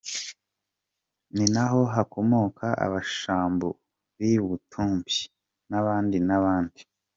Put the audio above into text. Ninaho hakomoka Abashambo b’i-Butumbi, n’abandi n’abandi.